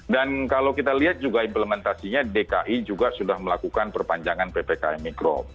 dan kalau kita lihat juga implementasinya dki juga sudah melakukan perpanjangan ppkm mikro